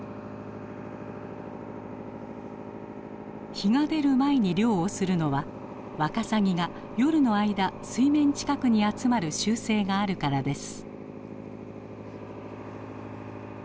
日が出る前に漁をするのはワカサギが夜の間水面近くに集まる習性があるからです。